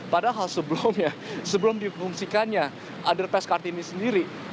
padahal sebelumnya sebelum difungsikannya underpass kartini sendiri